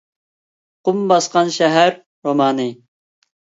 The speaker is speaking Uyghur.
«قۇم باسقان شەھەر» رومانى